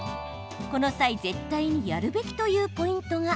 この際絶対にやるべきというポイントが。